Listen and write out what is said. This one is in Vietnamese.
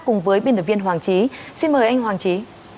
cùng với biên tập viên hoàng trí xin mời anh hoàng trí